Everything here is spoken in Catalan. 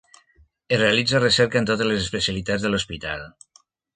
Es realitza recerca en totes les especialitats de l'hospital.